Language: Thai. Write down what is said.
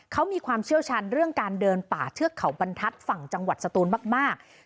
เขามีความเชี่ยวชันเรื่องการเดินป่าเทือกเขาบรรทัศน์ฝั่งจังหวัดสตูนมาก